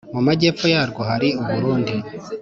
mu majyepfo yarwo hari u burundi,